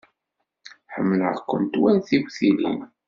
Ḥemmleɣ-kent war tiwtilin.